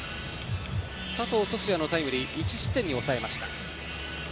佐藤都志也のタイムリーで１失点に抑えました。